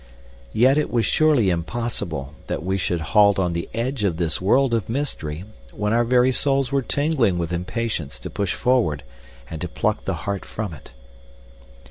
Yet it was surely impossible that we should halt on the edge of this world of mystery when our very souls were tingling with impatience to push forward and to pluck the heart from it.